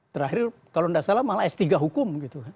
terakhir kalau enggak salah malah s tiga hukum